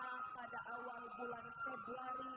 pada bulan februari dua ribu tujuh belas